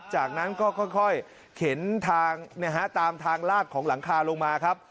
จากนั้นก็ค่อยเข็นทางตามทางลาดของหลังคาลงมาครับ